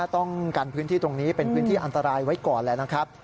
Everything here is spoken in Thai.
ต้องกันพื้นที่ตรงนี้เป็นพื้นที่อันตรายไว้ก่อนแล้วนะครับ